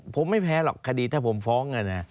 ผมไม่แพ้หรอกคดีถ้าผมฟ้อง